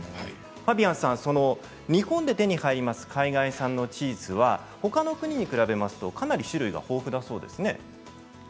ファビアンさん日本で手に入る海外産のチーズはほかの国に比べますとそうですね。